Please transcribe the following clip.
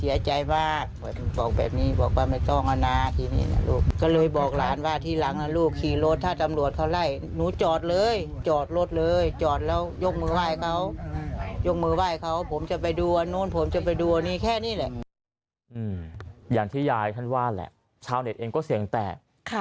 อย่างที่ยายท่านว่าแหละชาวเน็ตเองก็เสียงแตก